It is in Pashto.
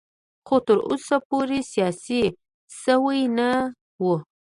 خو تر اوسه پورې سیاسي شوی نه و.